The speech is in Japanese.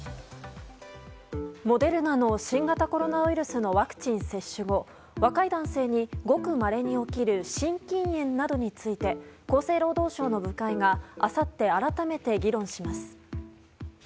モデルナの新型コロナウイルスのワクチン接種後若い男性にごくまれに起きる心筋炎などについて厚生労働省の部会があさって改めて議論します。